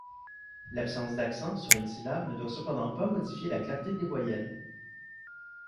L'absence d'accent sur une syllabe ne doit cependant pas modifier la clarté des voyelles.